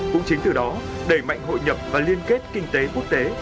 cũng chính từ đó đẩy mạnh hội nhập và liên kết kinh tế quốc tế